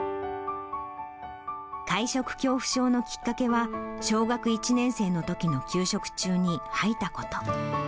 会食恐怖症のきっかけは、小学１年生のときの給食中に吐いたこと。